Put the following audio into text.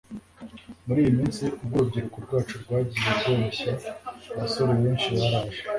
muriyi minsi ubwo urubyiruko rwacu rwagiye rworoshye. abasore benshi baraje